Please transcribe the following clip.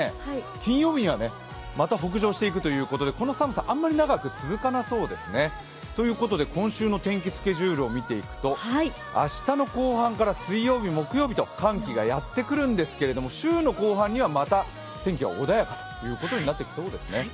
金曜日にはまた北上していくということでこの寒さあんまり長く続かなさそうですね。ということで今週の天気スケジュールを見ていくと明日の後半から水曜日、木曜日と寒気がやってくるんですけれども、週の後半にはまた天気は穏やかということになってきそうですね。